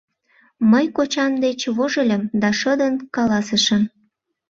Мый кочам деч вожыльым да шыдын каласышым: